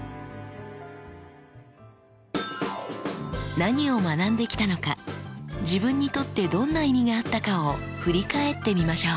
何を学んできたのか自分にとってどんな意味があったかを振り返ってみましょう。